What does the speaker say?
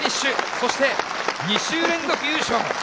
そして、２週連続優勝。